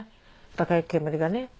高い煙がね